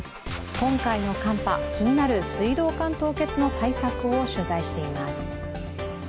今回の寒波、気になる水道管凍結の対策を取材しています。